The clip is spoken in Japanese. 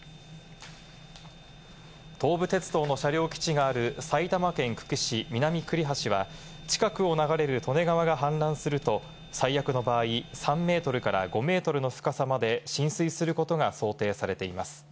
東武鉄道の車両基地がある埼玉県久喜市南栗橋は、近くを流れる利根川が氾濫すると、最悪の場合、３ｍから５ｍの深さまで浸水することが想定されています。